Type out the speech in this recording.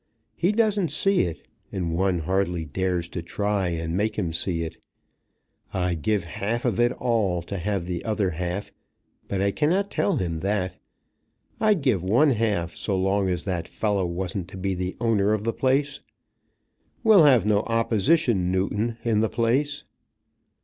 He doesn't see it, and one hardly dares to try and make him see it. I'd give the half of it all to have the other half, but I cannot tell him that. I'd give one half so long as that fellow wasn't to be the owner of the other. We'll have no opposition Newton in the place."